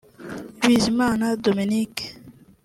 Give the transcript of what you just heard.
Bizimana Dominique